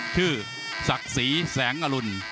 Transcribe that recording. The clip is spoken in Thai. ชื่อศักษีแสงอรุณ